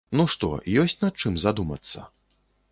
Ну што, ёсць над чым задумацца?